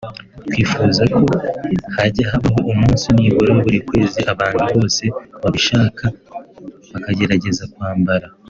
twifuza ko mu hajya habaho umunsi nibura buri kwezi abantu bose babishaka bakagerageza kwambara